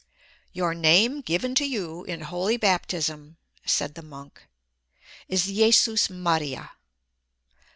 "Your name given to you in Holy Baptism," said the monk, "is Iesvs Maria.